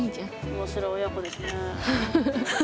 面白い親子ですね。